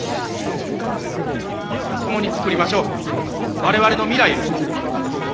共につくりましょう我々の未来を。